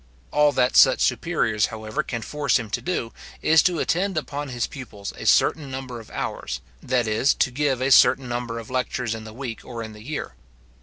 All that such superiors, however, can force him to do, is to attend upon his pupils a certain number of hours, that is, to give a certain number of lectures in the week, or in the year.